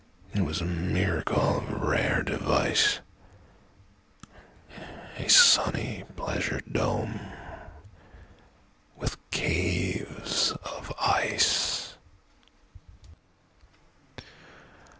It was a miracle of rare device,A sunny pleasure dome with caves of ice!